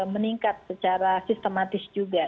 meningkat secara sistematis juga